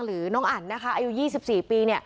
หรือน้องอัลอายุ๒๔นี้